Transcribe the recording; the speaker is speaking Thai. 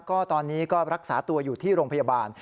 ก็ตอนนี้ก็รักษาตัวอยู่ที่โรงพยาบาล